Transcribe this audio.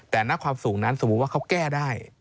แต่ณความสูงนั้นสมมุติว่าเขาแก้ได้